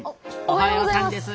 おはようございます。